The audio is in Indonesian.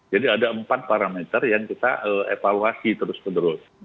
jadi ada empat parameter yang kita evaluasi terus terus